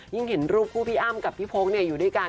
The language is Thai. ยิ่งเห็นรูปผู้พี่อ้ำกับพี่โพรงในอยู่ด้วยกัน